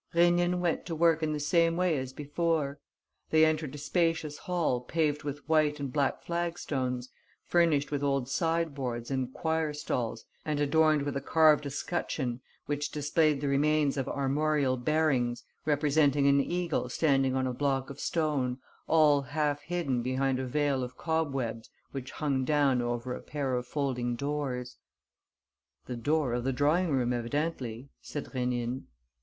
Rénine went to work in the same way as before. They entered a spacious hall paved with white and black flagstones, furnished with old sideboards and choir stalls and adorned with a carved escutcheon which displayed the remains of armorial bearings, representing an eagle standing on a block of stone, all half hidden behind a veil of cobwebs which hung down over a pair of folding doors. "The door of the drawing room, evidently," said Rénine.